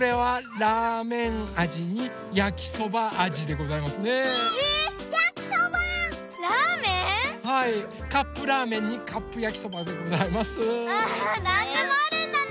なんでもあるんだね！